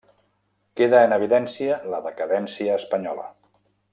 Queda en evidència la decadència espanyola.